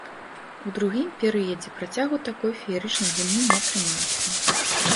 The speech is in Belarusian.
У другім перыядзе працягу такой феерычнай гульні не атрымалася.